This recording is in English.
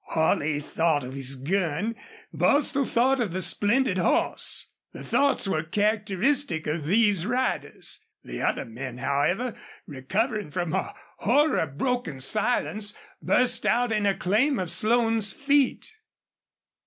Holley thought of his gun; Bostil thought of the splendid horse. The thoughts were characteristic of these riders. The other men, however, recovering from a horror broken silence, burst out in acclaim of Slone's feat.